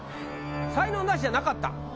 才能ナシじゃなかった。